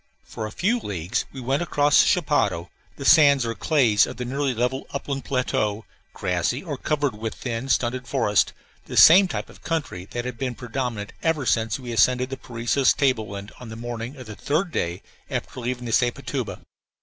For a few leagues we went across the chapadao, the sands or clays of the nearly level upland plateau, grassy or covered with thin, stunted forest, the same type of country that had been predominant ever since we ascended the Parecis table land on the morning of the third day after leaving the Sepotuba.